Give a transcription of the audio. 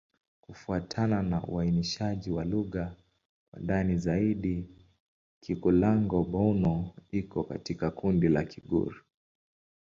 Kufuatana na uainishaji wa lugha kwa ndani zaidi, Kikulango-Bouna iko katika kundi la Kigur.